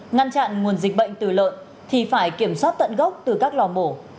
ngăn chặn nguồn dịch bệnh từ lợn thì phải kiểm soát tận gốc từ các lò mổ